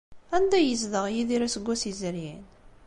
Anda ay yezdeɣ Yidir aseggas yezrin?